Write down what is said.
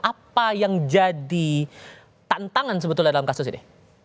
apa yang jadi tantangan sebetulnya dalam kasus ini